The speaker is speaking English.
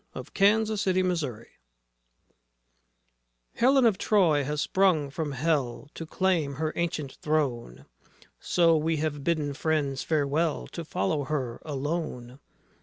DESTROYER OF SHIPS, MEN, CITIES Helen of Troy has sprung from Hell To claim her ancient throne, So we have bidden friends farewell To follow her alone.